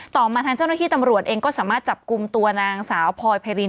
ต่อมาทางเจ้าหน้าที่ตำรวจเองก็สามารถจับกลุ่มตัวนางสาวพลอยไพริน